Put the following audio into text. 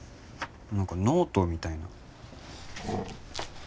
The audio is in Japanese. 何かノートみたいな。